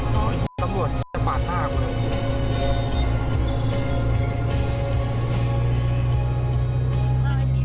ต้องบริษัทปราศน์หน้ากลุ่ม